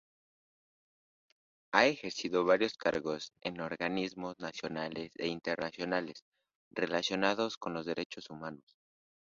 Ha ejercido varios cargos en organismos nacionales e internacionales relacionados con los derechos humanos.